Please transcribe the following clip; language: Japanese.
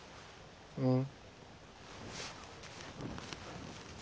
うん。